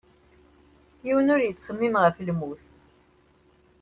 Yiwen ur yettxemmim ɣef lmut.